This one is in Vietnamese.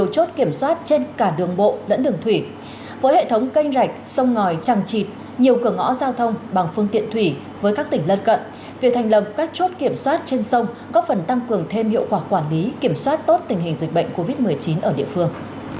chút kiểm soát trên sông có phần tăng cường thêm hiệu quả quản lý kiểm soát tốt tình hình dịch bệnh covid một mươi chín ở địa phương